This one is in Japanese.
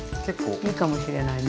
いいかもしれないね。